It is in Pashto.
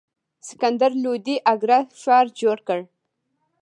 سکندر لودي اګره ښار جوړ کړ.